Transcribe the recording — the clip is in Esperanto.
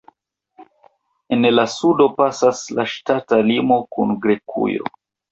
En la sudo pasas la ŝtata limo kun Grekujo.